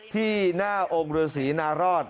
ที่หน้าองค์ฤษีนารอด